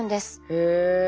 へえ。